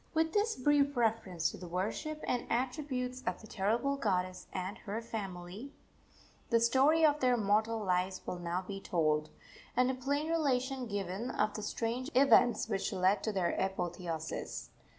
With this brief reference to the worship and attributes of the terrible goddess and her family, the story of their mortal lives will now be told, and a plain relation given of the strange events which led to their apotheosis.